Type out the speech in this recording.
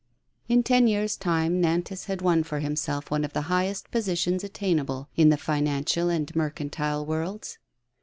In ten years' time, Nantas had won for himself one of the highest positions attainable in the financial and mercantile worlds.